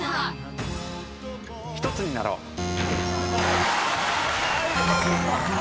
ひとつになろう。